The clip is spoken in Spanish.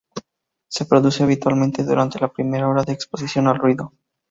Se produce habitualmente durante la primera hora de exposición al ruido.